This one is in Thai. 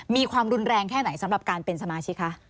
มีความรุนแรงแค่ไหนสำหรับการเป็นสมาชิกคะ